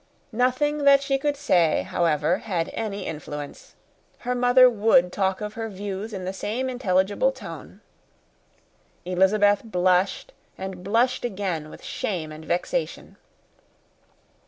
Nothing that she could say, however, had any influence. Her mother would talk of her views in the same intelligible tone. Elizabeth blushed and blushed again with shame and vexation.